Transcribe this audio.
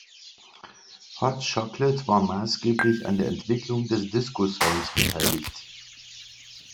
Hot Chocolate war maßgeblich an der Entwicklung des Disco-Sounds beteiligt.